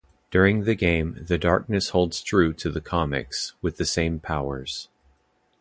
During the game, The Darkness holds true to the comics, with the same powers.